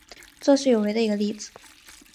这是有违的一个例子。